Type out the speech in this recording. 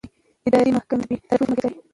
اداري محکمې د بېطرفۍ مکلفیت لري.